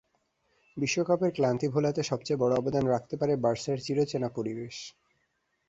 বিশ্বকাপের ক্লান্তি ভোলাতে সবচেয়ে বড় অবদান রাখতে পারে বার্সার চিরচেনা পরিবেশ।